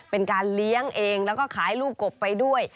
เป็นการเลี้ยงเองแล้วก็ขายลูกกบไปด้วย